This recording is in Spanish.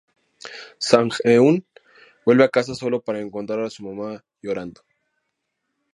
Sang-Eun vuelve a casa sólo para encontrar a su mamá llorando.